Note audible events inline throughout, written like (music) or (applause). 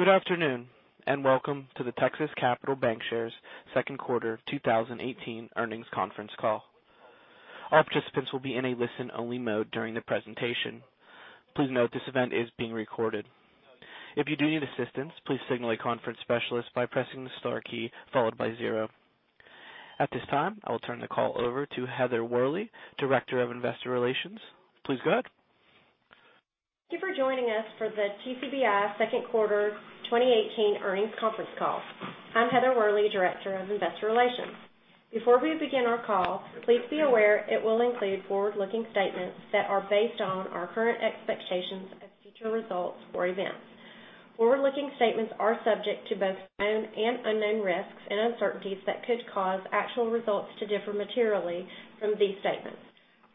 Good afternoon, and welcome to the Texas Capital Bancshares second quarter 2018 earnings conference call. All participants will be in a listen-only mode during the presentation. Please note this event is being recorded. If you do need assistance, please signal a conference specialist by pressing the star key followed by zero. At this time, I will turn the call over to Heather Worley, Director of Investor Relations. Please go ahead. Thank you for joining us for the TCBI second quarter 2018 earnings conference call. I'm Heather Worley, Director of Investor Relations. Before we begin our call, please be aware it will include forward-looking statements that are based on our current expectations of future results or events. Forward-looking statements are subject to both known and unknown risks and uncertainties that could cause actual results to differ materially from these statements.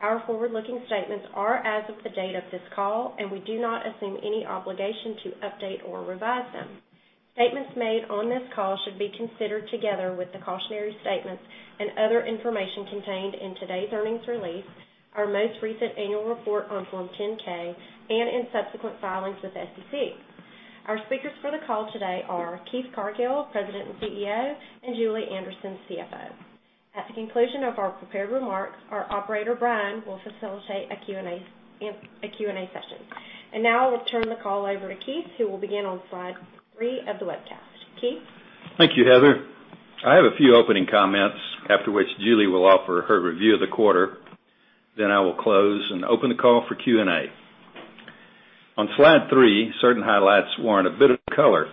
Our forward-looking statements are as of the date of this call, and we do not assume any obligation to update or revise them. Statements made on this call should be considered together with the cautionary statements and other information contained in today's earnings release, our most recent annual report on Form 10-K, and in subsequent filings with SEC. Our speakers for the call today are Keith Cargill, President and CEO, and Julie Anderson, CFO. At the conclusion of our prepared remarks, our operator, Brian, will facilitate a Q&A session. Now I will turn the call over to Keith, who will begin on slide three of the webcast. Keith? Thank you, Heather. I have a few opening comments, after which Julie will offer her review of the quarter, then I will close and open the call for Q&A. On slide three, certain highlights warrant a bit of color.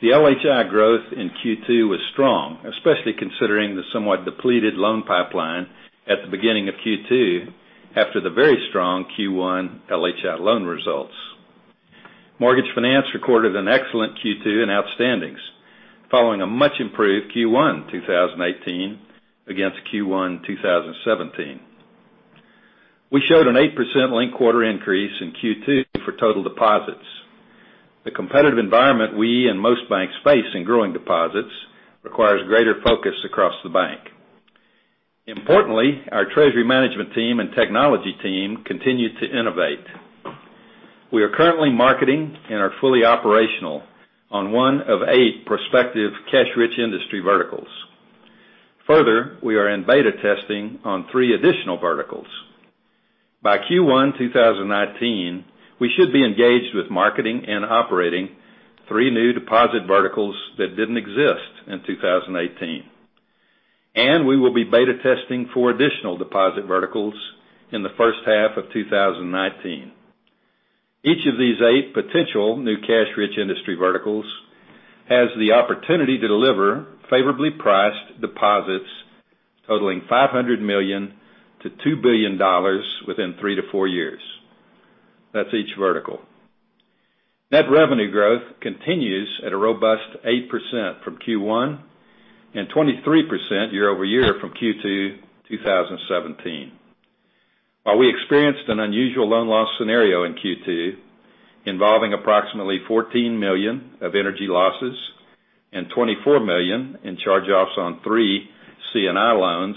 The LHI growth in Q2 was strong, especially considering the somewhat depleted loan pipeline at the beginning of Q2 after the very strong Q1 LHI loan results. Mortgage finance recorded an excellent Q2 in outstandings, following a much improved Q1 2018 against Q1 2017. We showed an 8% linked quarter increase in Q2 for total deposits. The competitive environment we and most banks face in growing deposits requires greater focus across the bank. Importantly, our treasury management team and technology team continue to innovate. We are currently marketing and are fully operational on one of eight prospective cash-rich industry verticals. Further, we are in beta testing on three additional verticals. By Q1 2019, we should be engaged with marketing and operating three new deposit verticals that didn't exist in 2018, and we will be beta testing four additional deposit verticals in the first half of 2019. Each of these eight potential new cash-rich industry verticals has the opportunity to deliver favorably priced deposits totaling $500 million to $2 billion within three to four years. That's each vertical. Net revenue growth continues at a robust 8% from Q1 and 23% year-over-year from Q2 2017. While we experienced an unusual loan loss scenario in Q2 involving approximately $14 million of energy losses and $24 million in charge-offs on three C&I loans,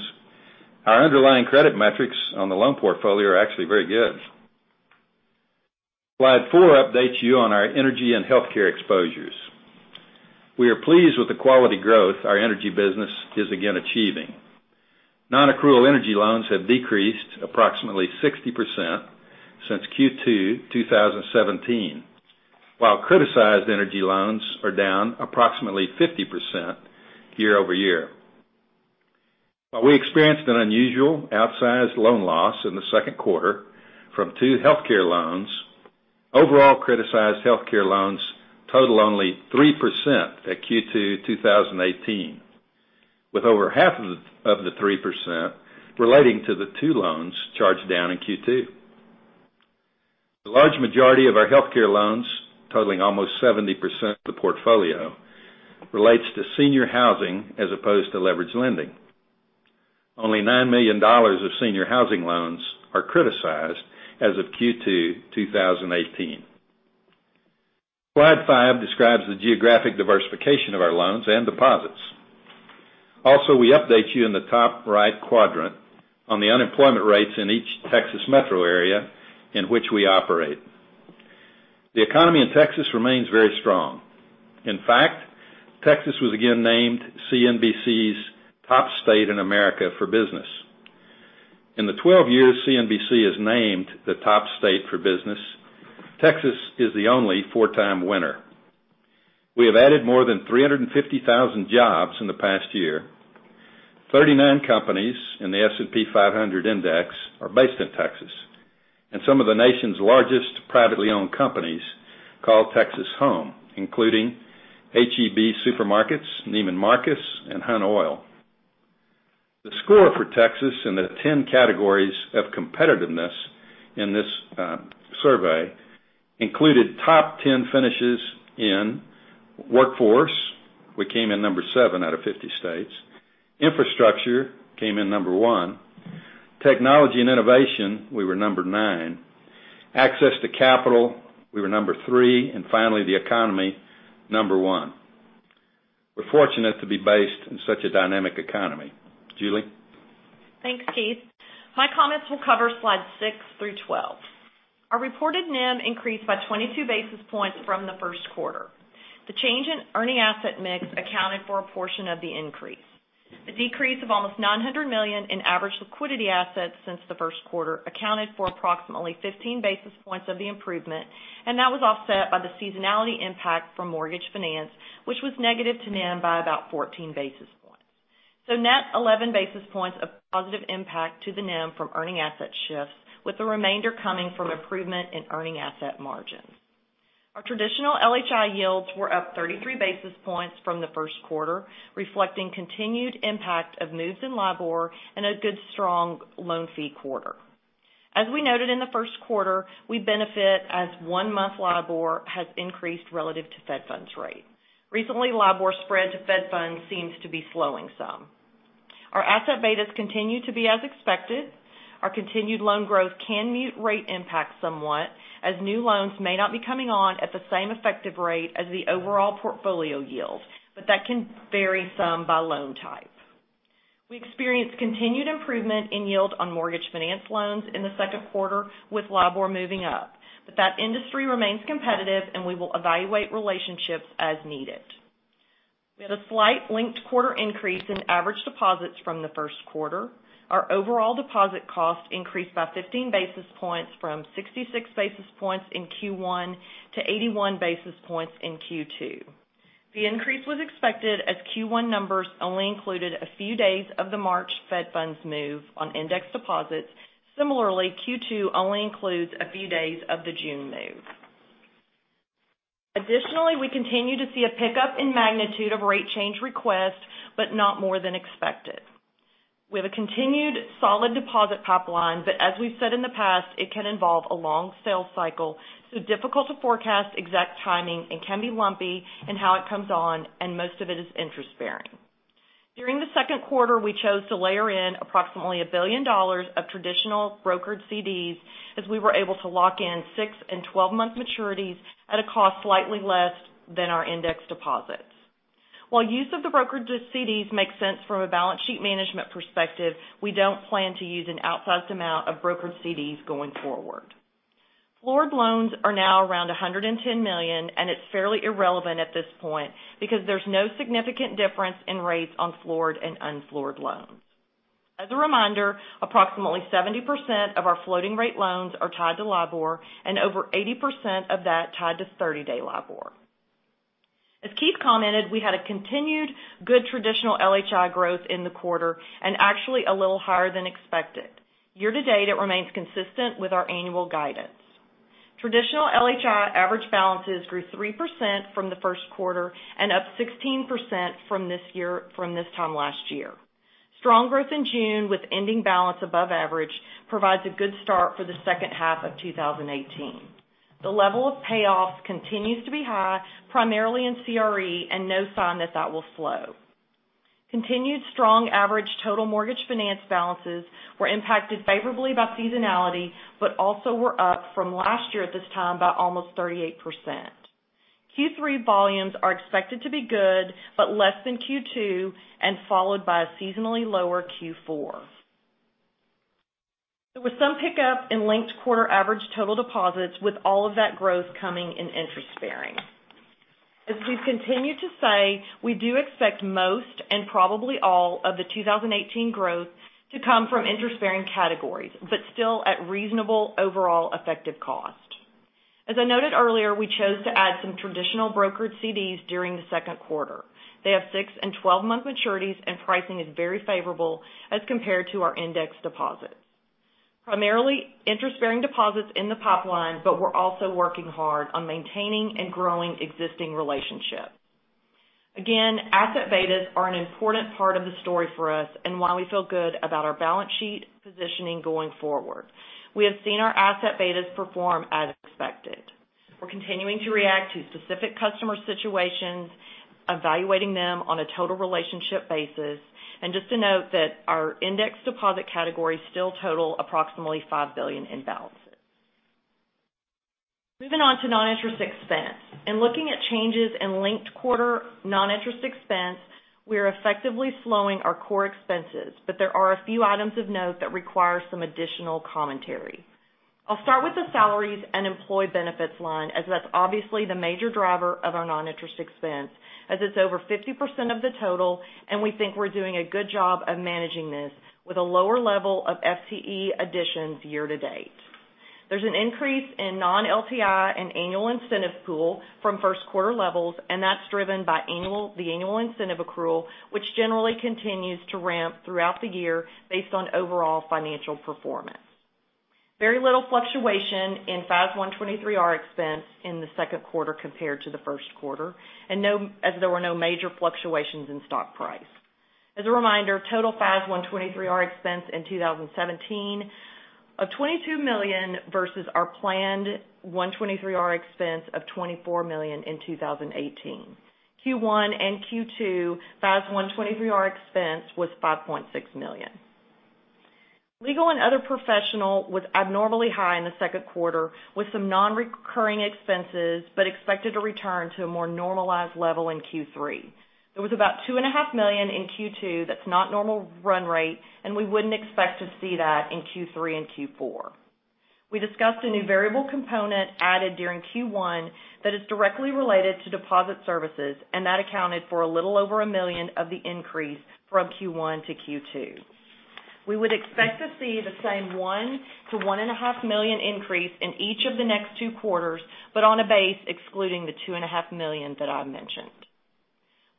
our underlying credit metrics on the loan portfolio are actually very good. Slide four updates you on our energy and healthcare exposures. We are pleased with the quality growth our energy business is again achieving. Non-accrual energy loans have decreased approximately 60% since Q2 2017. While criticized energy loans are down approximately 50% year-over-year. While we experienced an unusual outsized loan loss in the second quarter from two healthcare loans, overall criticized healthcare loans total only 3% at Q2 2018, with over half of the 3% relating to the two loans charged down in Q2. The large majority of our healthcare loans, totaling almost 70% of the portfolio, relates to senior housing as opposed to leveraged lending. Only $9 million of senior housing loans are criticized as of Q2 2018. Slide five describes the geographic diversification of our loans and deposits. We update you in the top right quadrant on the unemployment rates in each Texas metro area in which we operate. The economy in Texas remains very strong. In fact, Texas was again named CNBC's top state in America for business. In the 12 years CNBC has named the top state for business, Texas is the only four-time winner. We have added more than 350,000 jobs in the past year. 39 companies in the S&P 500 Index are based in Texas, and some of the nation's largest privately owned companies call Texas home, including H-E-B Supermarkets, Neiman Marcus, and Hunt Oil. The score for Texas in the 10 categories of competitiveness in this survey included top 10 finishes in workforce, we came in number 7 out of 50 states. Infrastructure, came in number 1. Technology and innovation, we were number 9. Access to capital, we were number 3. Finally, the economy, number 1. We're fortunate to be based in such a dynamic economy. Julie? Thanks, Keith. My comments will cover slide six through 12. Our reported NIM increased by 22 basis points from the first quarter. The change in earning asset mix accounted for a portion of the increase. The decrease of almost $900 million in average liquidity assets since the first quarter accounted for approximately 15 basis points of the improvement. That was offset by the seasonality impact from mortgage finance, which was negative to NIM by about 14 basis points. Net 11 basis points, a positive impact to the NIM from earning asset shifts, with the remainder coming from improvement in earning asset margins. Our traditional LHI yields were up 33 basis points from the first quarter, reflecting continued impact of moves in LIBOR and a good strong loan fee quarter. As we noted in the first quarter, we benefit as one-month LIBOR has increased relative to Fed funds rate. Recently, LIBOR spread to Fed funds seems to be slowing some. Our asset betas continue to be as expected. Our continued loan growth can mute rate impacts somewhat, as new loans may not be coming on at the same effective rate as the overall portfolio yield, but that can vary some by loan type. We experienced continued improvement in yield on mortgage finance loans in the second quarter with LIBOR moving up, but that industry remains competitive, and we will evaluate relationships as needed. We had a slight linked quarter increase in average deposits from the first quarter. Our overall deposit cost increased by 15 basis points from 66 basis points in Q1 to 81 basis points in Q2. The increase was expected as Q1 numbers only included a few days of the March Fed funds move on index deposits. Similarly, Q2 only includes a few days of the June move. Additionally, we continue to see a pickup in magnitude of rate change requests, but not more than expected. We have a continued solid deposit pipeline, but as we've said in the past, it can involve a long sales cycle, so difficult to forecast exact timing and can be lumpy in how it comes on, and most of it is interest-bearing. During the second quarter, we chose to layer in approximately $1 billion of traditional brokered CDs as we were able to lock in 6 and 12-month maturities at a cost slightly less than our index deposits. While use of the brokered CDs makes sense from a balance sheet management perspective, we don't plan to use an outsized amount of brokered CDs going forward. Floored loans are now around $110 million, and it's fairly irrelevant at this point because there's no significant difference in rates on floored and unfloored loans. As a reminder, approximately 70% of our floating rate loans are tied to LIBOR, and over 80% of that tied to 30-day LIBOR. As Keith commented, we had a continued good traditional LHI growth in the quarter and actually a little higher than expected. Year to date, it remains consistent with our annual guidance. Traditional LHI average balances grew 3% from the first quarter and up 16% from this time last year. Strong growth in June with ending balance above average provides a good start for the second half of 2018. The level of payoffs continues to be high, primarily in CRE, and no sign that that will slow. Continued strong average total mortgage finance balances were impacted favorably by seasonality, but also were up from last year at this time by almost 38%. Q3 volumes are expected to be good, but less than Q2 and followed by a seasonally lower Q4. There was some pickup in linked quarter average total deposits, with all of that growth coming in interest-bearing. As we've continued to say, we do expect most and probably all of the 2018 growth to come from interest-bearing categories, but still at reasonable overall effective cost. As I noted earlier, we chose to add some traditional brokered CDs during the second quarter. They have 6 and 12-month maturities, and pricing is very favorable as compared to our index deposits. Primarily interest-bearing deposits in the pipeline, but we're also working hard on maintaining and growing existing relationships. asset betas are an important part of the story for us and why we feel good about our balance sheet positioning going forward. We have seen our asset betas perform as expected. We're continuing to react to specific customer situations, evaluating them on a total relationship basis. Just to note that our index deposit categories still total approximately $5 billion in balances. Moving on to non-interest expense. In looking at changes in linked quarter non-interest expense, we are effectively slowing our core expenses, but there are a few items of note that require some additional commentary. I'll start with the salaries and employee benefits line, as that's obviously the major driver of our non-interest expense, as it's over 50% of the total, and we think we're doing a good job of managing this with a lower level of FTE additions year-to-date. There's an increase in non-LTI and annual incentive pool from first quarter levels, that's driven by the annual incentive accrual, which generally continues to ramp throughout the year based on overall financial performance. Very little fluctuation in FAS 123R expense in the second quarter compared to the first quarter, as there were no major fluctuations in stock price. As a reminder, total FAS 123R expense in 2017 of $22 million versus our planned 123R expense of $24 million in 2018. Q1 and Q2 FAS 123R expense was $5.6 million. Legal and other professional was abnormally high in the second quarter with some non-recurring expenses, but expected to return to a more normalized level in Q3. It was about two and a half million in Q2. That's not normal run rate, and we wouldn't expect to see that in Q3 and Q4. We discussed a new variable component added during Q1 that is directly related to deposit services, that accounted for a little over $1 million of the increase from Q1 to Q2. We would expect to see the same $1 million to one and a half million increase in each of the next two quarters, but on a base excluding the two and a half million that I mentioned.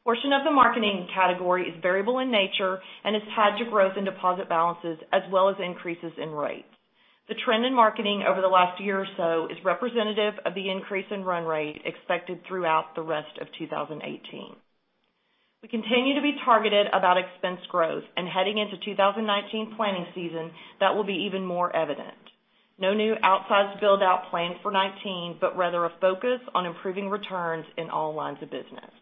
Portion of the marketing category is variable in nature and is tied to growth in deposit balances as well as increases in rates. The trend in marketing over the last year or so is representative of the increase in run rate expected throughout the rest of 2018. We continue to be targeted about expense growth and heading into 2019 planning season, that will be even more evident. No new outsized build-out planned for 2019, rather a focus on improving returns in all lines of business.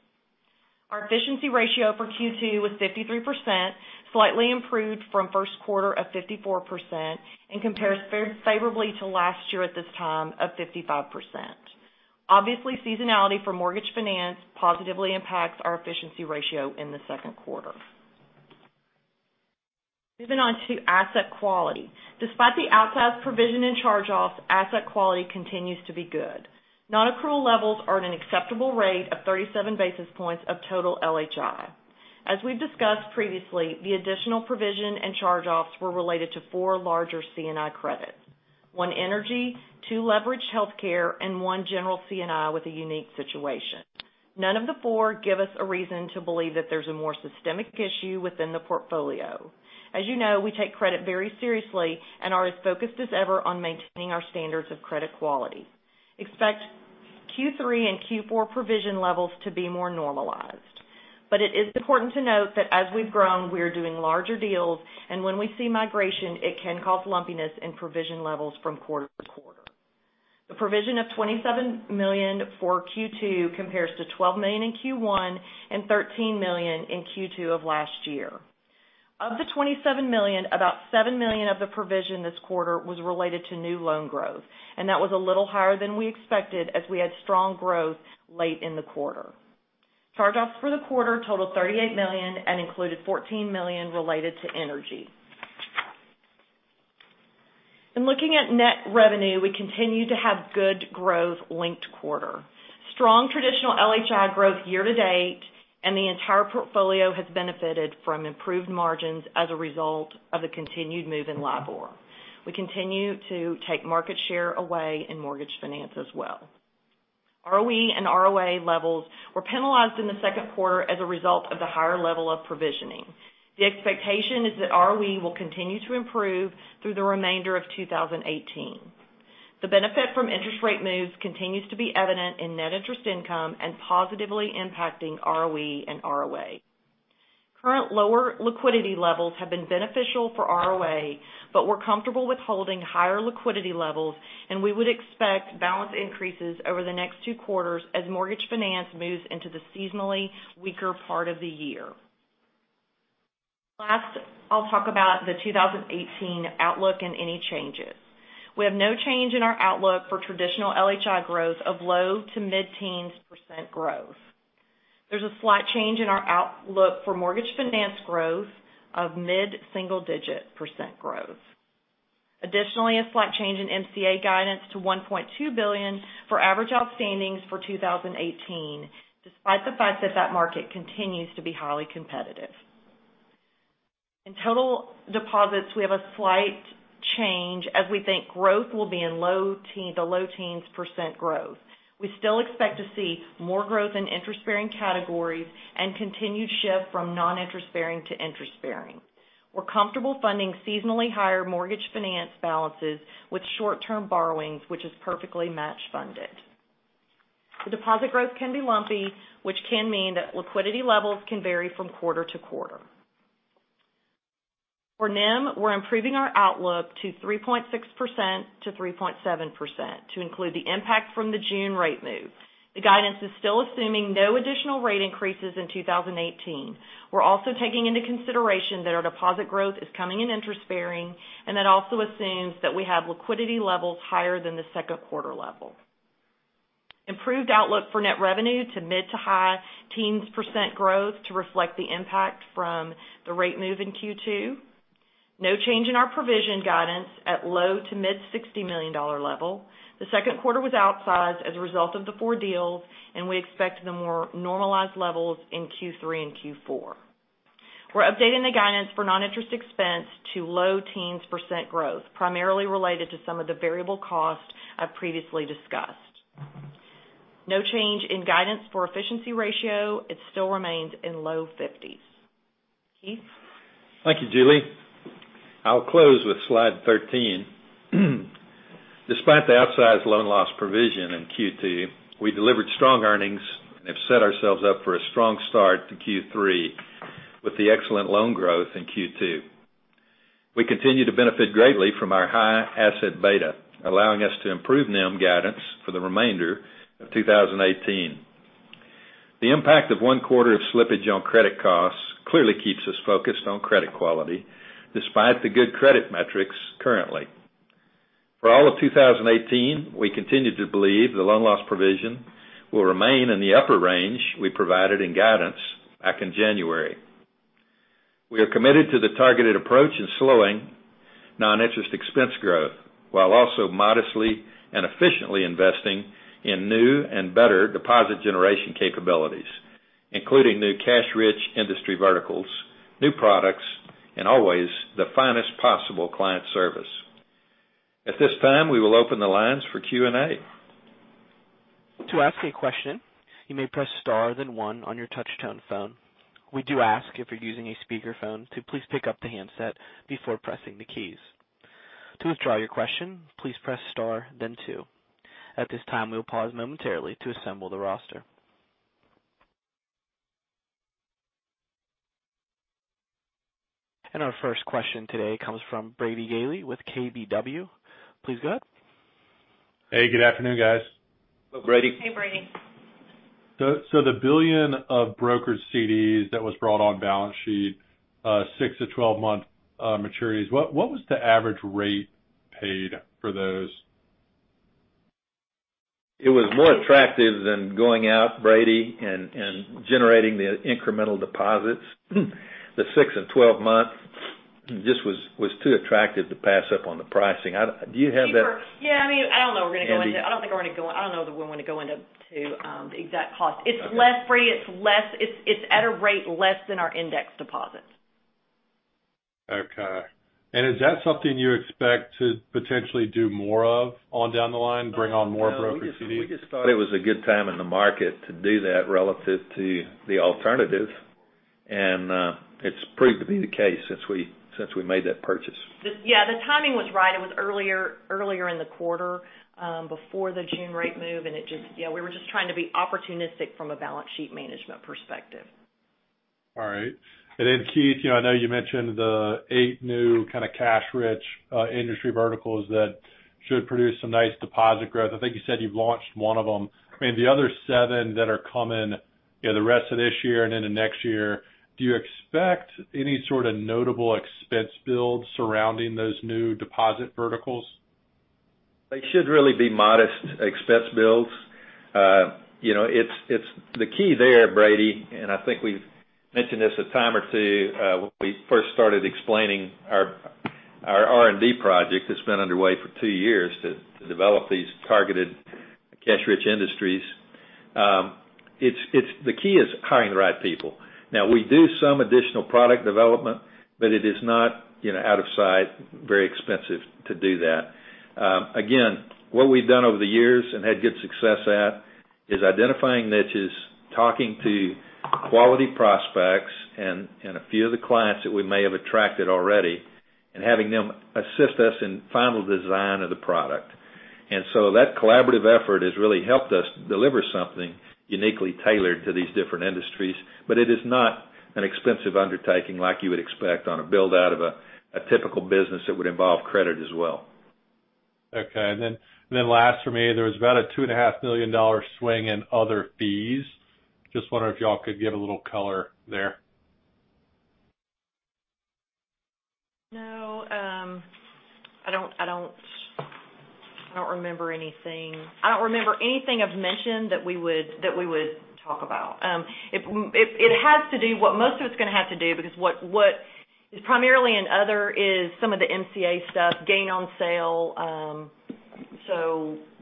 Our efficiency ratio for Q2 was 53%, slightly improved from first quarter of 54%, and compares favorably to last year at this time of 55%. Obviously, seasonality for mortgage finance positively impacts our efficiency ratio in the second quarter. Moving on to asset quality. Despite the outsized provision in charge-offs, asset quality continues to be good. Non-accrual levels are at an acceptable rate of 37 basis points of total LHI. As we've discussed previously, the additional provision and charge-offs were related to four larger C&I credits, one energy, two leveraged healthcare, and one general C&I with a unique situation. None of the four give us a reason to believe that there's a more systemic issue within the portfolio. As you know, we take credit very seriously and are as focused as ever on maintaining our standards of credit quality. Expect Q3 and Q4 provision levels to be more normalized. It is important to note that as we've grown, we are doing larger deals, and when we see migration, it can cause lumpiness in provision levels from quarter to quarter. The provision of $27 million for Q2 compares to $12 million in Q1 and $13 million in Q2 of last year. Of the $27 million, about $7 million of the provision this quarter was related to new loan growth, and that was a little higher than we expected as we had strong growth late in the quarter. Charge-offs for the quarter totaled $38 million and included $14 million related to energy. In looking at net revenue, we continue to have good growth linked quarter. Strong traditional LHI growth year to date, the entire portfolio has benefited from improved margins as a result of the continued move in LIBOR. We continue to take market share away in mortgage finance as well. ROE and ROA levels were penalized in the second quarter as a result of the higher level of provisioning. The expectation is that ROE will continue to improve through the remainder of 2018. The benefit from interest rate moves continues to be evident in net interest income and positively impacting ROE and ROA. Current lower liquidity levels have been beneficial for ROA, we're comfortable with holding higher liquidity levels, and we would expect balance increases over the next two quarters as mortgage finance moves into the seasonally weaker part of the year. Last, I'll talk about the 2018 outlook and any changes. We have no change in our outlook for traditional LHI growth of low to mid-teens % growth. There's a slight change in our outlook for mortgage finance growth of mid-single digit % growth. Additionally, a slight change in MCA guidance to $1.2 billion for average outstandings for 2018, despite the fact that that market continues to be highly competitive. In total deposits, we have a slight change as we think growth will be in low teens to low teens % growth. We still expect to see more growth in interest-bearing categories and continued shift from non-interest bearing to interest bearing. We're comfortable funding seasonally higher mortgage finance balances with short-term borrowings, which is perfectly match funded. The deposit growth can be lumpy, which can mean that liquidity levels can vary from quarter to quarter. For NIM, we're improving our outlook to 3.6%-3.7% to include the impact from the June rate move. The guidance is still assuming no additional rate increases in 2018. We're also taking into consideration that our deposit growth is coming in interest bearing, that also assumes that we have liquidity levels higher than the second quarter level. Improved outlook for net revenue to mid to high teens % growth to reflect the impact from the rate move in Q2. No change in our provision guidance at low to mid $60 million level. The second quarter was outsized as a result of the four deals, we expect the more normalized levels in Q3 and Q4. We're updating the guidance for non-interest expense to low teens % growth, primarily related to some of the variable costs I previously discussed. No change in guidance for efficiency ratio. It still remains in low 50s. Keith? Thank you, Julie. I'll close with slide 13. Despite the outsized loan loss provision in Q2, we delivered strong earnings and have set ourselves up for a strong start to Q3 with the excellent loan growth in Q2. We continue to benefit greatly from our high asset beta, allowing us to improve NIM guidance for the remainder of 2018. The impact of one quarter of slippage on credit costs clearly keeps us focused on credit quality, despite the good credit metrics currently. For all of 2018, we continue to believe the loan loss provision will remain in the upper range we provided in guidance back in January. We are committed to the targeted approach in slowing non-interest expense growth, while also modestly and efficiently investing in new and better deposit generation capabilities, including new cash-rich industry verticals, new products, and always the finest possible client service. At this time, we will open the lines for Q&A. To ask a question, you may press star, then one on your touchtone phone. We do ask, if you're using a speakerphone, to please pick up the handset before pressing the keys. To withdraw your question, please press star then two. At this time, we'll pause momentarily to assemble the roster. Our first question today comes from Brady Gailey with KBW. Please go ahead. Hey, good afternoon, guys. Hello, Brady. Hey, Brady. The $1 billion of brokered CDs that was brought on balance sheet, six to 12 month maturities, what was the average rate paid for those? It was more attractive than going out, Brady, and generating the incremental deposits. The six and 12 months just was too attractive to pass up on the pricing. Do you have that- Cheaper. Yeah, I don't know that we want to go into the exact cost. Okay. It's less free. It's at a rate less than our index deposits. Is that something you expect to potentially do more of on down the line, bring on more broker CDs? No, we just thought it was a good time in the market to do that relative to the alternative. It's proved to be the case since we made that purchase. Yeah, the timing was right. It was earlier in the quarter, before the June rate move, and we were just trying to be opportunistic from a balance sheet management perspective. All right. Then Keith, I know you mentioned the eight new kind of cash-rich industry verticals that should produce some nice deposit growth. I think you said you've launched one of them. The other seven that are coming the rest of this year and into next year, do you expect any sort of notable expense build surrounding those new deposit verticals? They should really be modest expense builds. The key there, Brady, and I think we've mentioned this a time or two when we first started explaining our R&D project that's been underway for two years to develop these targeted cash-rich industries, the key is hiring the right people. Now, we do some additional product development, but it is not out of sight, very expensive to do that. Again, what we've done over the years and had good success at is identifying niches, talking to quality prospects, and a few of the clients that we may have attracted already, and having them assist us in final design of the product. So that collaborative effort has really helped us deliver something uniquely tailored to these different industries. It is not an expensive undertaking like you would expect on a build-out of a typical business that would involve credit as well. Okay. Last for me, there was about a $2.5 million swing in other fees. Just wonder if y'all could give a little color there. No, I don't remember anything of mention that we would talk about. Most of it's going to have to do, because what is primarily in other is some of the MCA stuff, gain on sale.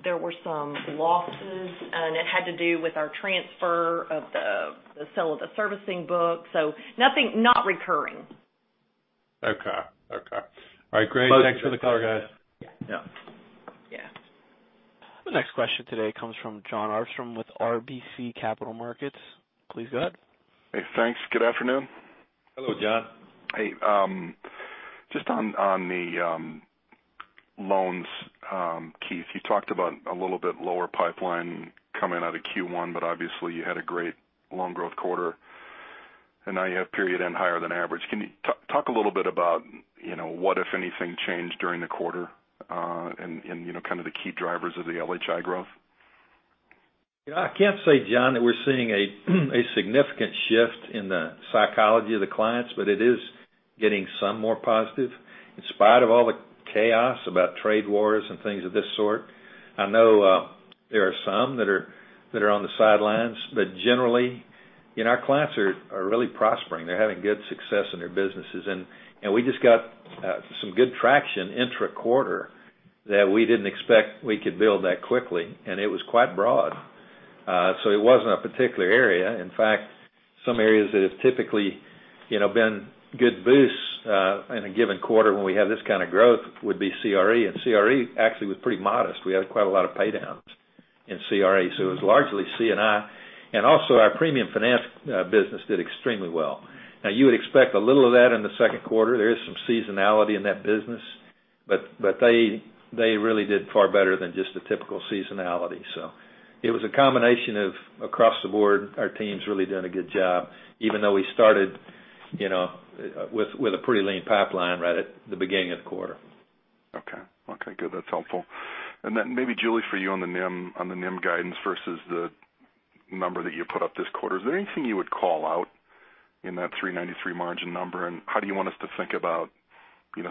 There were some losses, and it had to do with our transfer of the sale of the servicing book. Not recurring. Okay. All right, great. Thanks for the color, guys. Yeah. Yeah. The next question today comes from Jon Arfstrom with RBC Capital Markets. Please go ahead. Hey, thanks. Good afternoon. Hello, Jon. Hey. Just on the loans, Keith, you talked about a little bit lower pipeline coming out of Q1, obviously you had a great loan growth quarter, and now you have period end higher than average. Can you talk a little bit about what, if anything, changed during the quarter, and kind of the key drivers of the LHI growth? I can't say, Jon, that we're seeing a significant shift in the psychology of the clients, it is getting some more positive in spite of all the chaos about trade wars and things of this sort. I know there are some that are on the sidelines. Generally, our clients are really prospering. They're having good success in their businesses, and we just got some good traction intra-quarter that we didn't expect we could build that quickly, and it was quite broad. It wasn't a particular area. In fact, some areas that have typically been good boosts in a given quarter when we have this kind of growth would be CRE actually was pretty modest. We had quite a lot of paydowns in CRE. It was largely C&I. Also, our premium finance business did extremely well. You would expect a little of that in the second quarter. There is some seasonality in that business. They really did far better than just the typical seasonality. It was a combination of across the board, our team's really done a good job, even though we started with a pretty lean pipeline right at the beginning of the quarter. Good. That's helpful. Then maybe Julie, for you on the NIM guidance versus the number that you put up this quarter, is there anything you would call out in that 393 margin number? How do you want us to think about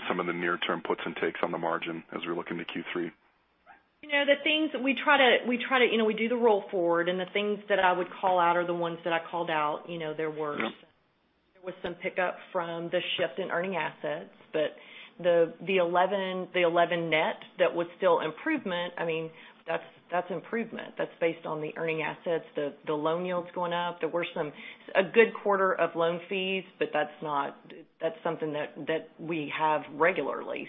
some of the near-term puts and takes on the margin as we look into Q3? The things that we try to. We do the roll forward, the things that I would call out are the ones that I called out. There was some pickup from the shift in earning assets, the 11 net, that was still improvement. That's improvement. That's based on the earning assets, the loan yields going up. There were some. A good quarter of loan fees, that's something that we have regularly.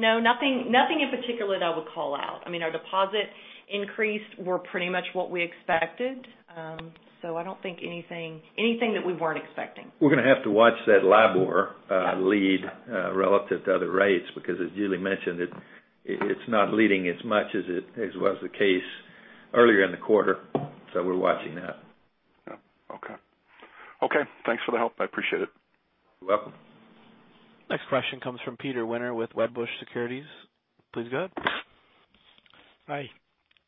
No, nothing in particular that I would call out. Our deposit increase were pretty much what we expected. I don't think anything that we weren't expecting. We're going to have to watch that LIBOR lead relative to other rates, because as Julie mentioned, it's not leading as much as was the case earlier in the quarter. We're watching that. Yeah. Okay. Okay, thanks for the help. I appreciate it. You're welcome. Next question comes from Peter Winter with Wedbush Securities. Please go ahead. Hi.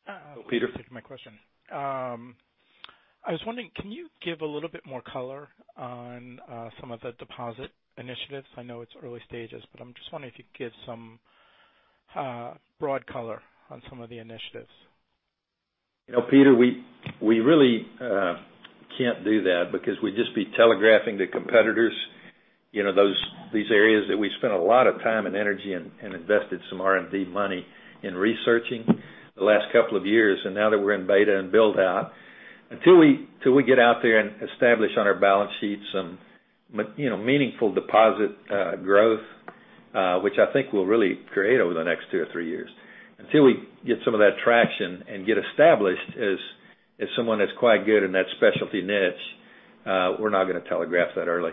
Peter. Thank you for taking my question. I was wondering, can you give a little bit more color on some of the deposit initiatives? I know it's early stages, but I'm just wondering if you could give some broad color on some of the initiatives. Peter, we really can't do that because we'd just be telegraphing to competitors these areas that we spent a lot of time and energy and invested some R&D money in researching the last couple of years, and now that we're in beta and build-out. Until we get out there and establish on our balance sheets some meaningful deposit growth which I think we'll really create over the next two or three years, until we get some of that traction and get established as someone that's quite good in that specialty niche, we're not going to telegraph that early.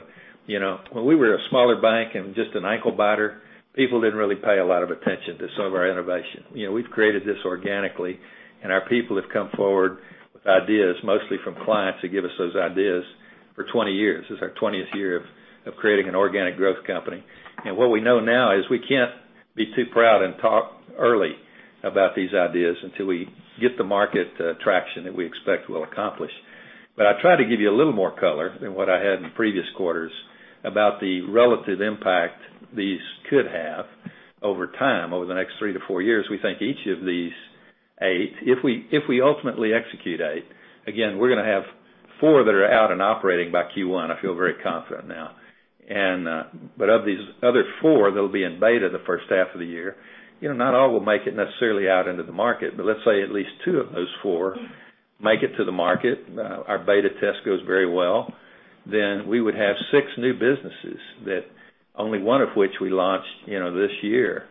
When we were a smaller bank and just an ankle biter, people didn't really pay a lot of attention to some of our innovation. We've created this organically, and our people have come forward with ideas, mostly from clients who give us those ideas for 20 years. This is our 20th year of creating an organic growth company. What we know now is we can't be too proud and talk early about these ideas until we get the market traction that we expect we'll accomplish. I tried to give you a little more color than what I had in previous quarters about the relative impact these could have over time, over the next three to four years. We think each of these eight, if we ultimately execute eight, again, we're going to have four that are out and operating by Q1. I feel very confident now. Of these other four that'll be in beta the first half of the year, not all will make it necessarily out into the market. Let's say at least two of those four make it to the market, our beta test goes very well, then we would have six new businesses that only one of which we launched this year.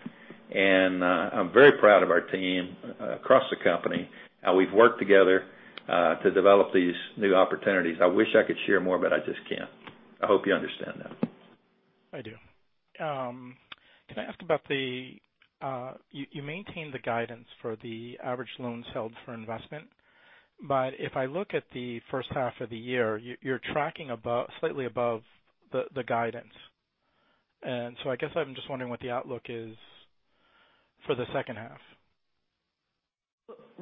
I'm very proud of our team across the company, how we've worked together to develop these new opportunities. I wish I could share more, but I just can't. I hope you understand that. I do. Can I ask about the? You maintained the guidance for the average loans held for investment. If I look at the first half of the year, you're tracking slightly above the guidance. I guess I'm just wondering what the outlook is for the second half.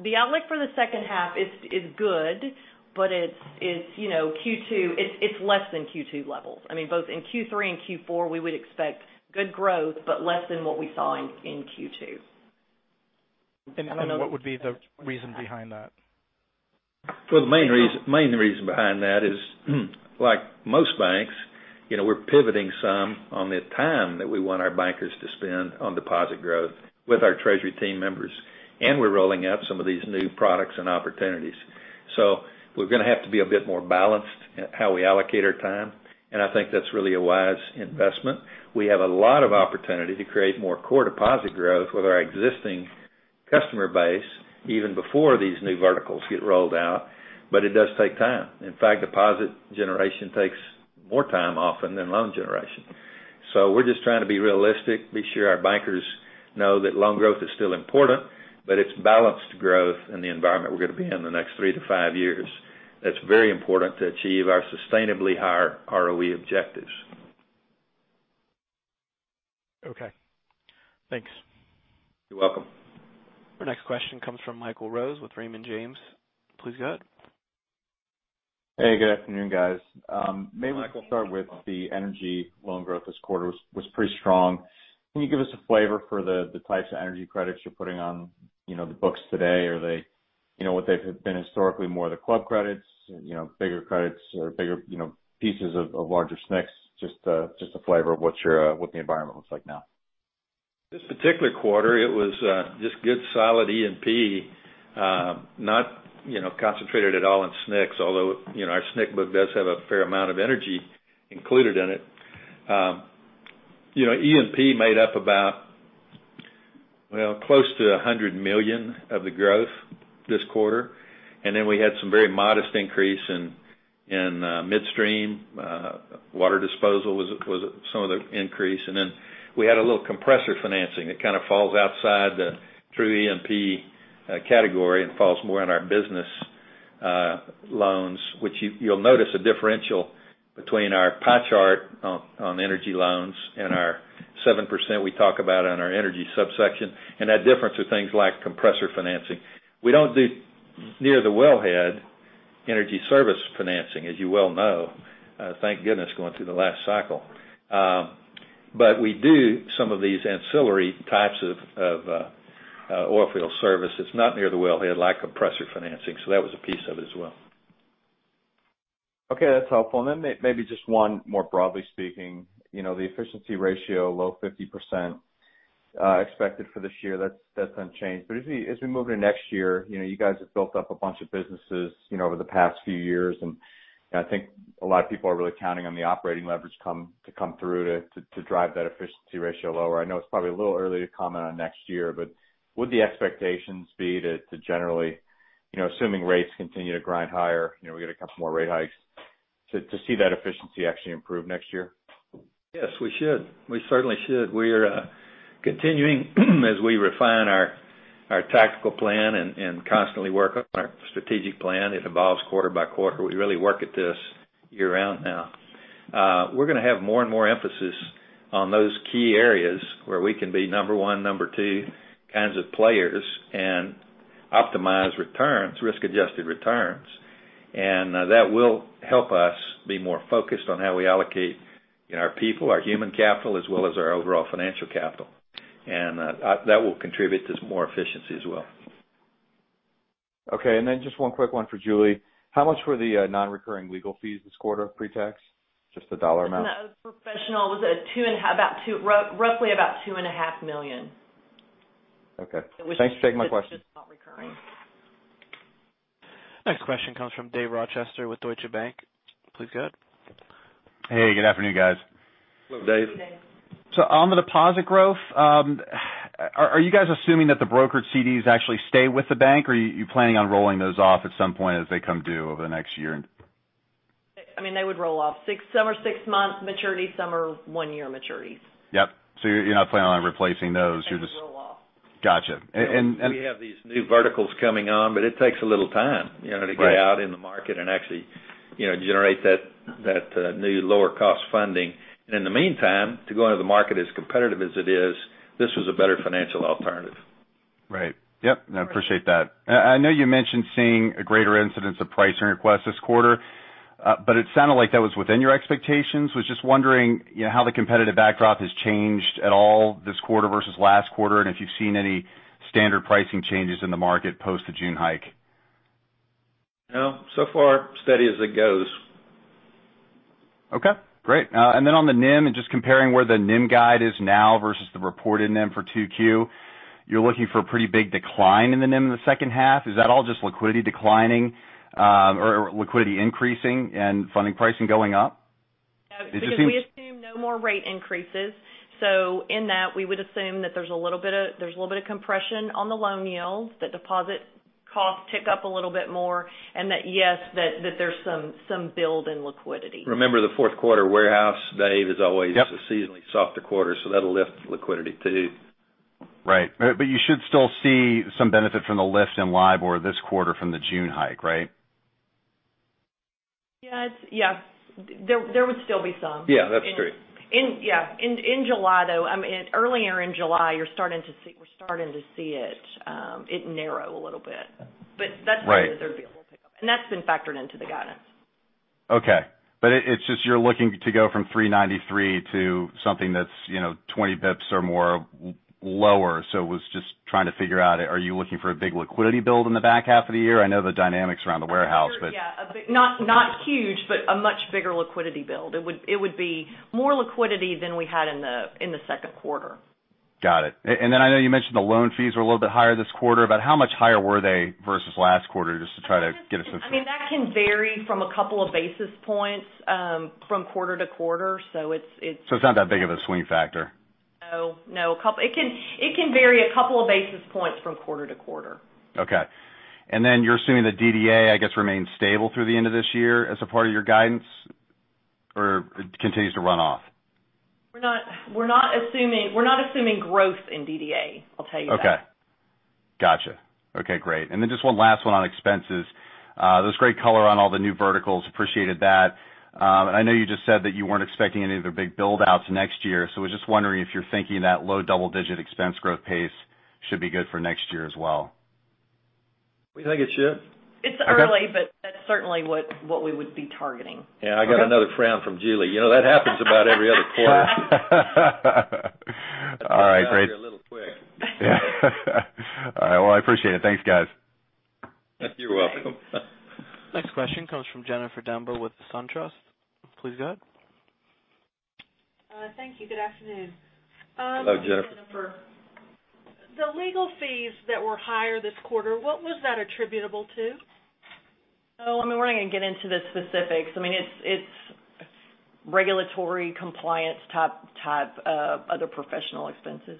The outlook for the second half is good, but it's less than Q2 levels. Both in Q3 and Q4, we would expect good growth, but less than what we saw in Q2. What would be the reason behind that? Well, the main reason behind that is, like most banks, we're pivoting some on the time that we want our bankers to spend on deposit growth with our treasury team members. We're rolling out some of these new products and opportunities. We're going to have to be a bit more balanced in how we allocate our time, I think that's really a wise investment. We have a lot of opportunity to create more core deposit growth with our existing customer base, even before these new verticals get rolled out, but it does take time. In fact, deposit generation takes more time often than loan generation. We're just trying to be realistic, be sure our bankers know that loan growth is still important, but it's balanced growth in the environment we're going to be in the next three to five years that's very important to achieve our sustainably higher ROE objectives. Okay. Thanks. You're welcome. Our next question comes from Michael Rose with Raymond James. Please go ahead. Hey, good afternoon, guys. Maybe we can start with the energy loan growth this quarter was pretty strong. Can you give us a flavor for the types of energy credits you're putting on the books today? Are they what they've been historically, more of the club credits, bigger credits or bigger pieces of larger SNCs? Just a flavor of what the environment looks like now. This particular quarter, it was just good solid E&P, not concentrated at all in SNCs, although our SNC book does have a fair amount of energy included in it. E&P made up about close to $100 million of the growth this quarter. We had some very modest increase in midstream. Water disposal was some of the increase. We had a little compressor financing that kind of falls outside the true E&P category and falls more in our business loans, which you'll notice a differential between our pie chart on energy loans and our 7% we talk about on our energy subsection, and that difference are things like compressor financing. We don't do near the wellhead energy service financing, as you well know. Thank goodness, going through the last cycle. We do some of these ancillary types of oil field service that's not near the wellhead, like compressor financing. That was a piece of it as well. Okay, that's helpful. Maybe just one more, broadly speaking. The efficiency ratio, low 50% expected for this year. That's unchanged. As we move into next year, you guys have built up a bunch of businesses over the past few years, and I think a lot of people are really counting on the operating leverage to come through to drive that efficiency ratio lower. I know it's probably a little early to comment on next year, but would the expectations be to generally, assuming rates continue to grind higher, we get a couple more rate hikes, to see that efficiency actually improve next year? Yes, we should. We certainly should. We're continuing as we refine our tactical plan and constantly work on our strategic plan. It evolves quarter by quarter. We really work at this year-round now. We're going to have more and more emphasis on those key areas where we can be number 1, number 2 kinds of players and optimize returns, risk-adjusted returns. That will help us be more focused on how we allocate our people, our human capital, as well as our overall financial capital. That will contribute to more efficiency as well. Okay. Then just one quick one for Julie. How much were the non-recurring legal fees this quarter, pre-tax? Just a dollar amount. The professional was roughly about $ two and a half million. Okay. Thanks for taking my question. It's just not recurring. Next question comes from Dave Rochester with Deutsche Bank. Please go ahead. Hey, good afternoon, guys. Hello, Dave. Hey, Dave. On the deposit growth, are you guys assuming that the brokered CDs actually stay with the bank, or are you planning on rolling those off at some point as they come due over the next year? They would roll off. Some are six-month maturities, some are one-year maturities. Yep. You're not planning on replacing those. They would roll off. Got you. We have these new verticals coming on, but it takes a little time Right to get out in the market and actually generate that new lower cost funding. In the meantime, to go into the market as competitive as it is, this was a better financial alternative. Right. Yep. I appreciate that. I know you mentioned seeing a greater incidence of pricing requests this quarter, but it sounded like that was within your expectations. I was just wondering how the competitive backdrop has changed at all this quarter versus last quarter, and if you've seen any standard pricing changes in the market post the June hike. No. So far, steady as it goes. Okay, great. Then on the NIM, just comparing where the NIM guide is now versus the reported NIM for 2Q, you're looking for a pretty big decline in the NIM in the second half. Is that all just liquidity declining, or liquidity increasing and funding pricing going up? We assume no more rate increases. In that, we would assume that there's a little bit of compression on the loan yields, that deposit costs tick up a little bit more, and that, yes, that there's some build in liquidity. Remember, the fourth quarter warehouse, Dave. Yep is always a seasonally softer quarter, that'll lift liquidity, too. Right. You should still see some benefit from the lift in LIBOR this quarter from the June hike, right? Yes. There would still be some. Yeah, that's true. Yeah. In July, though, earlier in July, we're starting to see it narrow a little bit. Right. That's why there'd be a little pickup. That's been factored into the guidance. Okay. It's just you're looking to go from 393 to something that's 20 basis points or more lower. Was just trying to figure out, are you looking for a big liquidity build in the back half of the year? I know the dynamics around the warehouse. Yeah. Not huge, but a much bigger liquidity build. It would be more liquidity than we had in the second quarter. Got it. I know you mentioned the loan fees were a little bit higher this quarter, but how much higher were they versus last quarter? That can vary from a couple of basis points from quarter to quarter. It's not that big of a swing factor? No. It can vary a couple of basis points from quarter to quarter. Okay. Then you're assuming the DDA, I guess, remains stable through the end of this year as a part of your guidance, or continues to run off? We're not assuming growth in DDA, I'll tell you that. Okay. Got you. Okay, great. Then just one last one on expenses. There's great color on all the new verticals. Appreciated that. I know you just said that you weren't expecting any of the big build-outs next year, was just wondering if you're thinking that low double-digit expense growth pace should be good for next year as well. We think it should. It's early, but that's certainly what we would be targeting. Yeah, I got another frown from Julie. You know, that happens about every other quarter. All right, great. I spoke out here a little quick. All right. Well, I appreciate it. Thanks, guys. You're welcome. Next question comes from Jennifer Demba with SunTrust. Please go ahead. Thank you. Good afternoon. Hello, Jennifer. Jennifer. The legal fees that were higher this quarter, what was that attributable to? Oh, we're not going to get into the specifics. It's regulatory compliance type of other professional expenses.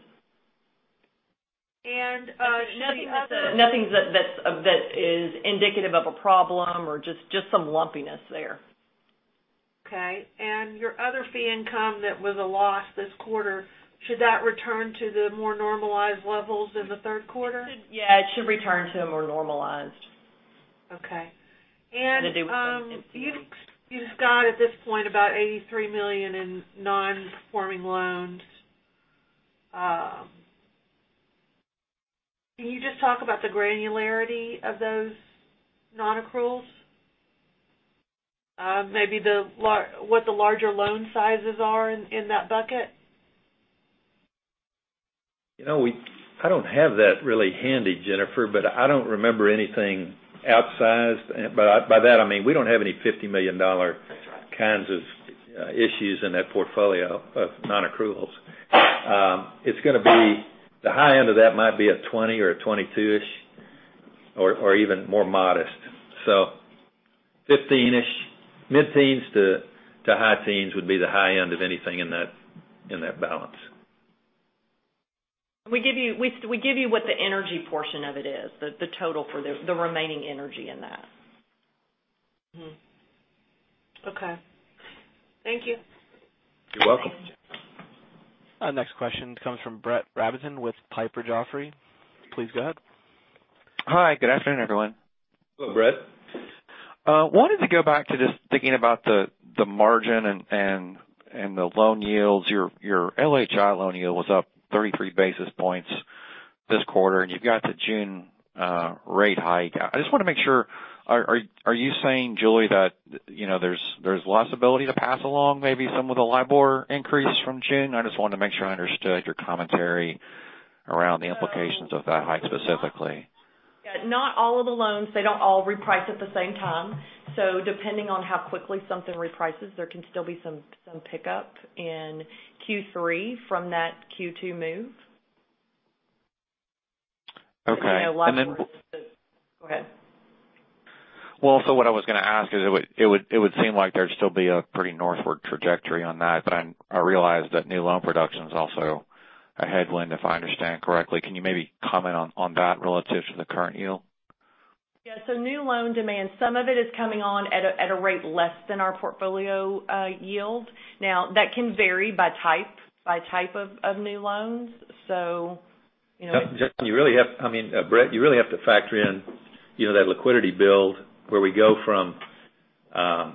Nothing that the- Nothing that is indicative of a problem or just some lumpiness there Okay. Your other fee income that was a loss this quarter, should that return to the more normalized levels in the third quarter? Yeah, it should return to more normalized. Okay. Had to do with some You've got at this point about $83 million in non-performing loans. Can you just talk about the granularity of those non-accruals? Maybe what the larger loan sizes are in that bucket. I don't have that really handy, Jennifer, I don't remember anything outsized. By that I mean, we don't have any $50 million kinds of issues in that portfolio of non-accruals. The high end of that might be a 20 or a 22-ish, or even more modest. 15-ish, mid-teens to high teens would be the high end of anything in that balance. We give you what the energy portion of it is, the total for the remaining energy in that. Mm-hmm. Okay. Thank you. You're welcome. Our next question comes from Brett Rabatin with Piper Jaffray. Please go ahead. Hi, good afternoon, everyone. Hello, Brett. Wanted to go back to just thinking about the margin and the loan yields. Your LHI loan yield was up 33 basis points this quarter, and you've got the June rate hike. I just want to make sure, are you saying, Julie, that there's less ability to pass along maybe some of the LIBOR increase from June? I just wanted to make sure I understood your commentary around the implications of that hike specifically. Yeah. Not all of the loans, they don't all reprice at the same time. Depending on how quickly something reprices, there can still be some pickup in Q3 from that Q2 move. Okay. Go ahead. What I was going to ask is it would seem like there'd still be a pretty northward trajectory on that, but I realize that new loan production is also a headwind, if I understand correctly. Can you maybe comment on that relative to the current yield? Yeah. New loan demand, some of it is coming on at a rate less than our portfolio yield. That can vary by type of new loans. Brett, you really have to factor in that liquidity build where we go from a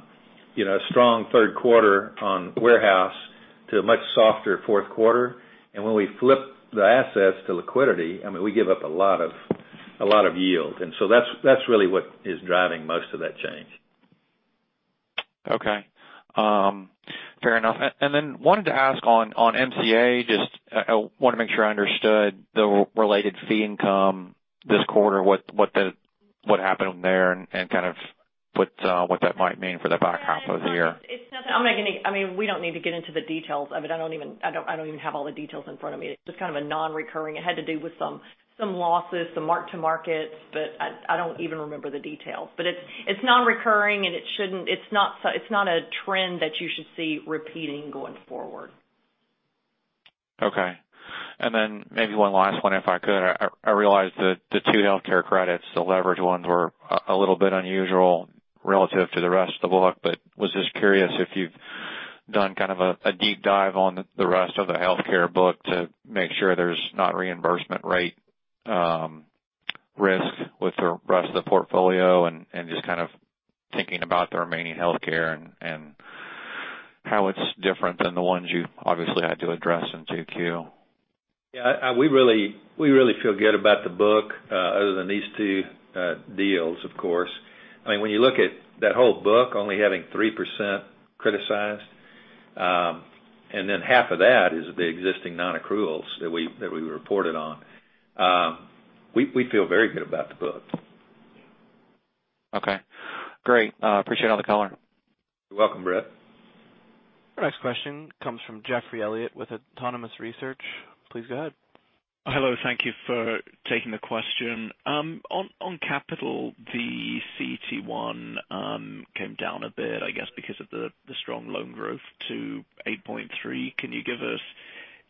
strong third quarter on warehouse to a much softer fourth quarter. When we flip the assets to liquidity, we give up a lot of yield. That's really what is driving most of that change. Okay. Fair enough. Wanted to ask on MCA, just want to make sure I understood the related fee income this quarter, what happened there and kind of what that might mean for the back half of the year. We don't need to get into the details of it. I don't even have all the details in front of me. It's just kind of a non-recurring. It had to do with some losses, some mark-to-markets, but I don't even remember the details. It's non-recurring, and it's not a trend that you should see repeating going forward. Okay. Maybe one last one if I could. I realize that the two healthcare credits, the leverage ones, were a little bit unusual relative to the rest of the book, but was just curious if you've done kind of a deep dive on the rest of the healthcare book to make sure there's not reimbursement rate risk with the rest of the portfolio, and just kind of thinking about the remaining healthcare and how it's different than the ones you obviously had to address in 2Q. Yeah. We really feel good about the book other than these two deals, of course. When you look at that whole book only having 3% criticized, and then half of that is the existing non-accruals that we reported on. We feel very good about the book. Okay, great. Appreciate all the color. You're welcome, Brett. Our next question comes from Geoffrey Elliott with Autonomous Research. Please go ahead. Hello. Thank you for taking the question. On capital, the CET1 came down a bit, I guess because of the strong loan growth to 8.3%. Can you give us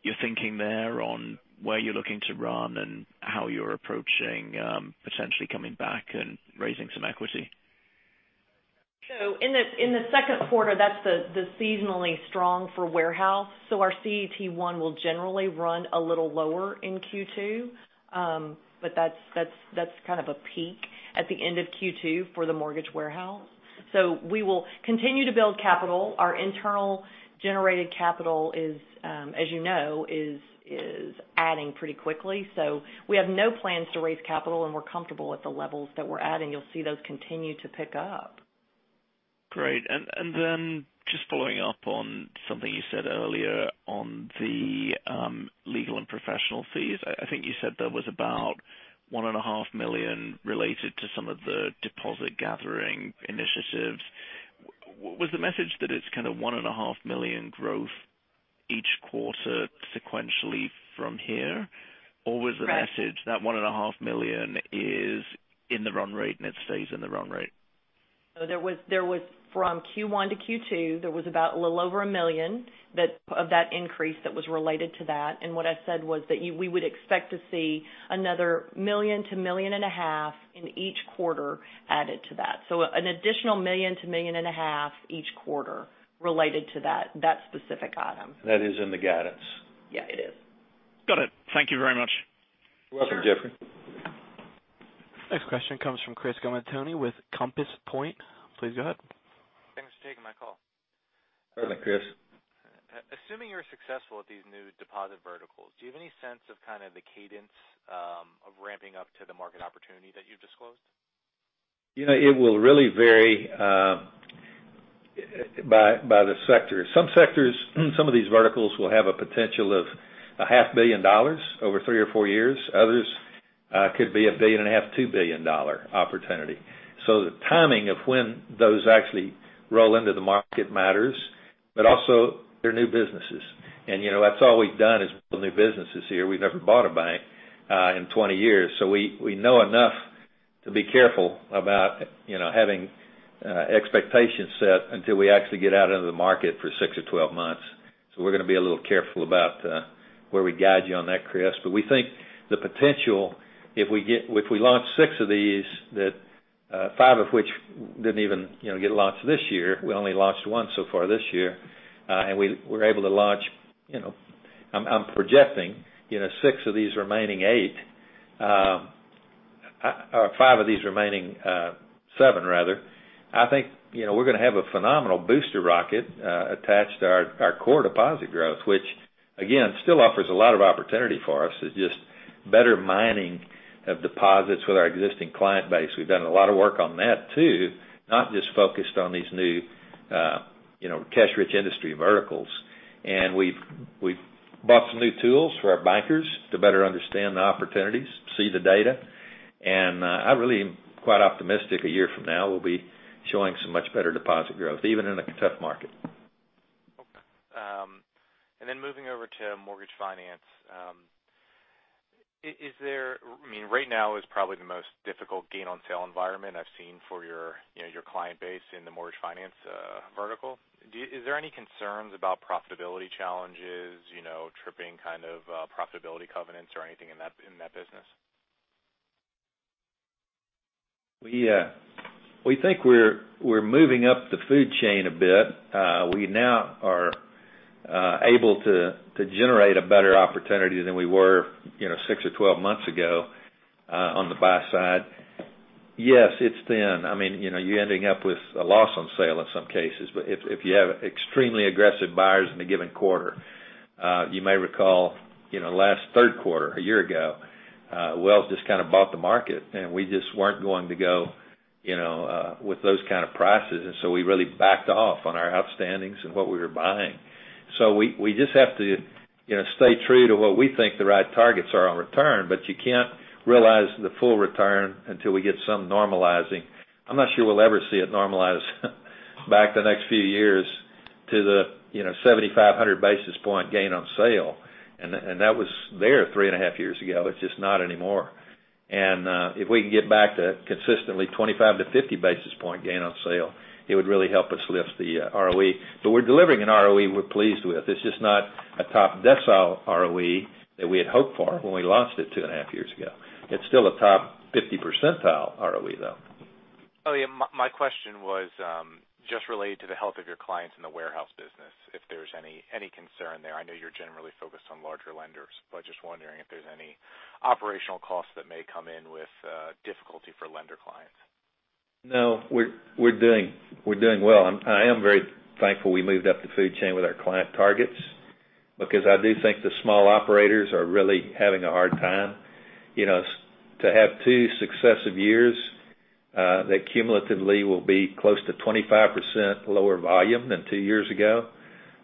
your thinking there on where you're looking to run and how you're approaching potentially coming back and raising some equity? In the second quarter, that's seasonally strong for warehouse. Our CET1 will generally run a little lower in Q2. That's kind of a peak at the end of Q2 for the mortgage warehouse. We will continue to build capital. Our internal generated capital, as you know, is adding pretty quickly. We have no plans to raise capital, and we're comfortable at the levels that we're at, and you'll see those continue to pick up. Great. Then just following up on something you said earlier on the legal and professional fees. I think you said there was about $1.5 million related to some of the deposit gathering initiatives. Was the message that it's kind of $1.5 million growth each quarter sequentially from here? Correct. Was the message that $1.5 million is in the run rate, and it stays in the run rate? From Q1 to Q2, there was about a little over $1 million of that increase that was related to that, and what I said was that we would expect to see another $1 million-$1.5 million in each quarter added to that. An additional $1 million-$1.5 million each quarter related to that specific item. That is in the guidance. Yeah, it is. Got it. Thank you very much. You're welcome, Geoffrey. Next question comes from Chris Gammon with Compass Point. Please go ahead. Thanks for taking my call. Good morning, Chris. Assuming you're successful at these new deposit verticals, do you have any sense of kind of the cadence of ramping up to the market opportunity that you've disclosed? It will really vary by the sector. Some sectors, some of these verticals will have a potential of a half billion dollars over three or four years. Others could be a billion and a half, $2 billion opportunity. The timing of when those actually roll into the market matters, but also they're new businesses. That's all we've done is build new businesses here. We've never bought a bank in 20 years. We know enough to be careful about having expectation set until we actually get out into the market for six or 12 months. We're going to be a little careful about where we guide you on that, Chris. We think the potential, if we launch 6 of these, that 5 of which didn't even get launched this year, we only launched 1 so far this year, and we're able to launch, I'm projecting, 6 of these remaining 8, or 5 of these remaining 7 rather, I think we're going to have a phenomenal booster rocket attached to our core deposit growth, which again, still offers a lot of opportunity for us. It's just better mining of deposits with our existing client base. We've done a lot of work on that too, not just focused on these new cash-rich industry verticals. We've bought some new tools for our bankers to better understand the opportunities, see the data, and I really am quite optimistic a year from now, we'll be showing some much better deposit growth, even in a tough market. Okay. Moving over to mortgage finance. Right now is probably the most difficult gain on sale environment I've seen for your client base in the mortgage finance vertical. Is there any concerns about profitability challenges, tripping kind of profitability covenants or anything in that business? We think we're moving up the food chain a bit. We now are able to generate a better opportunity than we were 6 or 12 months ago on the buy side. Yes, it's thin. You're ending up with a loss on sale in some cases. If you have extremely aggressive buyers in a given quarter, you may recall, last third quarter, a year ago, Wells just kind of bought the market and we just weren't going to go with those kind of prices. We really backed off on our outstandings and what we were buying. We just have to stay true to what we think the right targets are on return, but you can't realize the full return until we get some normalizing. I'm not sure we'll ever see it normalize back the next few years to the [75 to 100] basis point gain on sale, and that was there three and a half years ago. It's just not anymore. If we can get back to consistently 25 to 50 basis point gain on sale, it would really help us lift the ROE. We're delivering an ROE we're pleased with. It's just not a top decile ROE that we had hoped for when we launched it two and a half years ago. It's still a top 50 percentile ROE, though. My question was just related to the health of your clients in the warehouse business, if there's any concern there. I know you're generally focused on larger lenders, I am just wondering if there's any operational costs that may come in with difficulty for lender clients. No. We're doing well. I am very thankful we moved up the food chain with our client targets because I do think the small operators are really having a hard time. To have two successive years that cumulatively will be close to 25% lower volume than two years ago,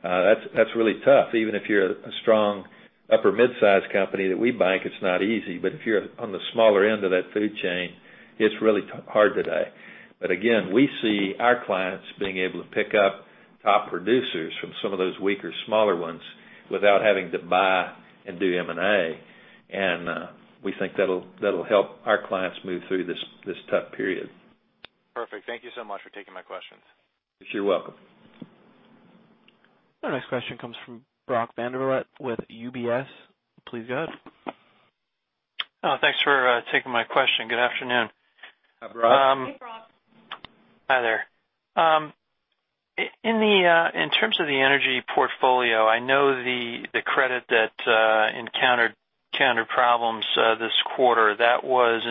that's really tough. Even if you're a strong upper mid-size company that we bank, it's not easy, if you're on the smaller end of that food chain, it's really hard today. Again, we see our clients being able to pick up top producers from some of those weaker, smaller ones without having to buy and do M&A, and we think that'll help our clients move through this tough period. Perfect. Thank you so much for taking my questions. You're welcome. Our next question comes from Brock Vandervliet with UBS. Please go ahead. Thanks for taking my question. Good afternoon. Hi, Brock. Hey, Brock. Hi, there. In terms of the energy portfolio, I know the credit that encountered problems this quarter, that was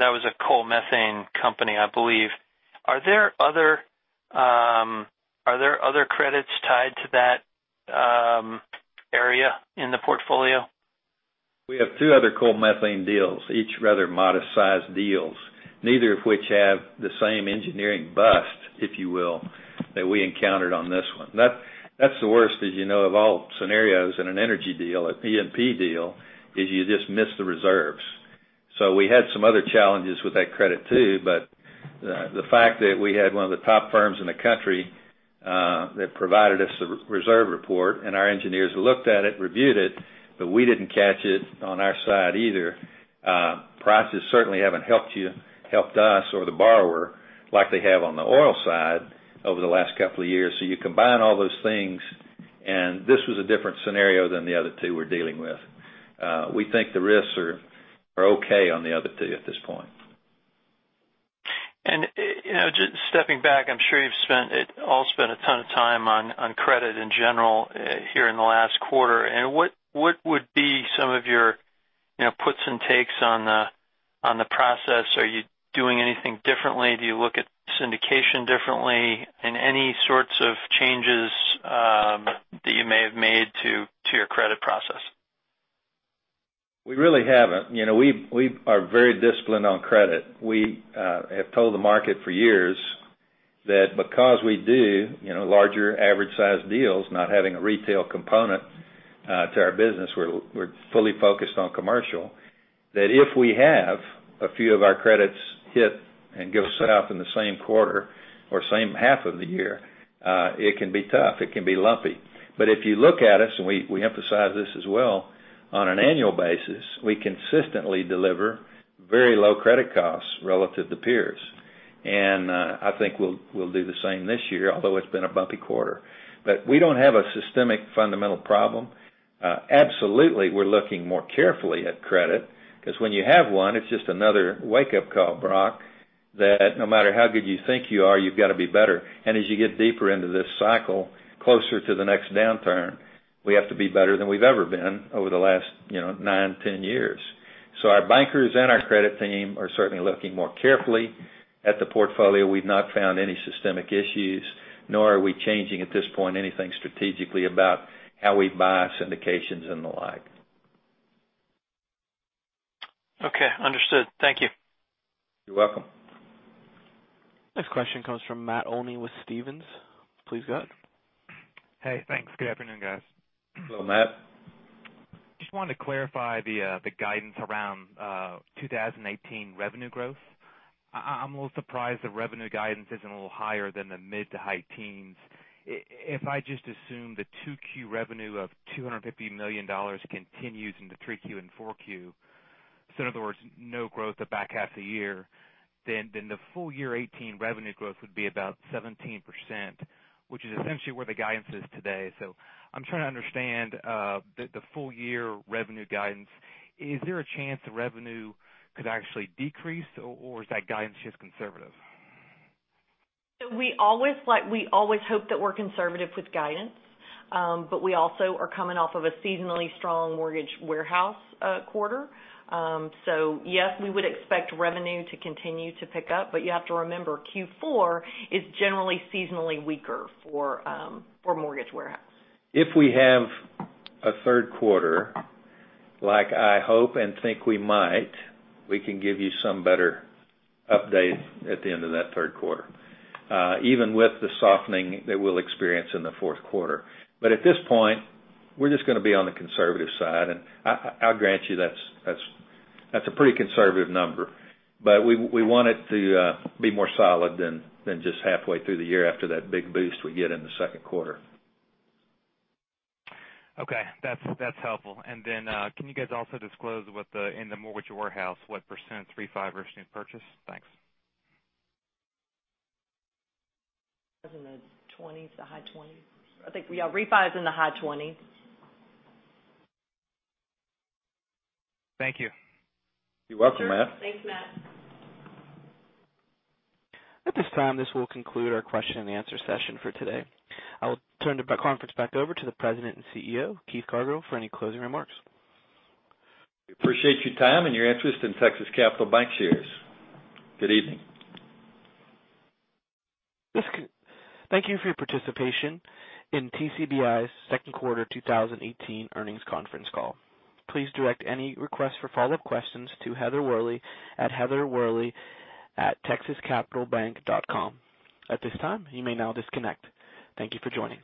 a coal methane company, I believe. Are there other credits tied to that area in the portfolio? We have two other coal methane deals, each rather modest-sized deals, neither of which have the same engineering bust, if you will, that we encountered on this one. That's the worst, as you know, of all scenarios in an energy deal, a PDP deal, is you just miss the reserves. We had some other challenges with that credit, too, but the fact that we had one of the top firms in the country that provided us a reserve report, and our engineers looked at it, reviewed it, but we didn't catch it on our side either. Prices certainly haven't helped us or the borrower like they have on the oil side over the last couple of years. You combine all those things, and this was a different scenario than the other two we're dealing with. We think the risks are okay on the other two at this point. Just stepping back, I'm sure you've all spent a ton of time on credit in general here in the last quarter. What would be some of your puts and takes on the process? Are you doing anything differently? Do you look at syndication differently? Any sorts of changes that you may have made to your credit process? We really haven't. We are very disciplined on credit. We have told the market for years that because we do larger average-sized deals, not having a retail component to our business, we're fully focused on commercial, that if we have a few of our credits hit and go south in the same quarter or same half of the year, it can be tough, it can be lumpy. If you look at us, and we emphasize this as well, on an annual basis, we consistently deliver very low credit costs relative to peers. I think we'll do the same this year, although it's been a bumpy quarter. We don't have a systemic fundamental problem. Absolutely, we're looking more carefully at credit, because when you have one, it's just another wake-up call, Brock, that no matter how good you think you are, you've got to be better. As you get deeper into this cycle, closer to the next downturn, we have to be better than we've ever been over the last nine, 10 years. Our bankers and our credit team are certainly looking more carefully at the portfolio. We've not found any systemic issues, nor are we changing at this point anything strategically about how we buy syndications and the like. Okay, understood. Thank you. You're welcome. Next question comes from Matt Olney with Stephens. Please go ahead. Hey, thanks. Good afternoon, guys. Hello, Matt. Just wanted to clarify the guidance around 2018 revenue growth. I'm a little surprised the revenue guidance isn't a little higher than the mid to high teens. If I just assume the 2Q revenue of $250 million continues into 3Q and 4Q, in other words, no growth the back half of the year, then the full year 2018 revenue growth would be about 17%, which is essentially where the guidance is today. I'm trying to understand the full year revenue guidance. Is there a chance the revenue could actually decrease, or is that guidance just conservative? We always hope that we're conservative with guidance. We also are coming off of a seasonally strong mortgage warehouse quarter. Yes, we would expect revenue to continue to pick up, but you have to remember, Q4 is generally seasonally weaker for mortgage warehouse. If we have a third quarter, like I hope and think we might, we can give you some better updates at the end of that third quarter. Even with the softening that we'll experience in the fourth quarter. At this point, we're just going to be on the conservative side. I'll grant you, that's a pretty conservative number. We want it to be more solid than just halfway through the year after that big boost we get in the second quarter. Okay. That's helpful. Can you guys also disclose in the mortgage warehouse, what % three, five (inaudible) purchase? Thanks. It was in the 20s, the high 20s. I think refi is in the high 20s. Thank you. You're welcome, Matt. Sure. Thanks, Matt. At this time, this will conclude our question and answer session for today. I will turn the conference back over to the President and CEO, Keith Cargill, for any closing remarks. We appreciate your time and your interest in Texas Capital Bancshares. Good evening. Thank you for your participation in TCBI's second quarter 2018 earnings conference call. Please direct any requests for follow-up questions to Heather Worley at heather.worley@texascapitalbank.com. At this time, you may now disconnect. Thank you for joining.